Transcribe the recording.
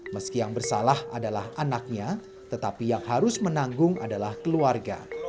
meski yang bersalah adalah anaknya tetapi yang harus menanggung adalah keluarga